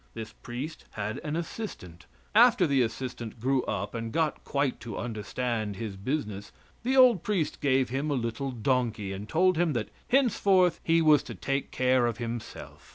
This priest had an assistant. After the assistant grew up and got quite to understand his business, the old priest gave him a little donkey, and told him that henceforth he was to take care of himself.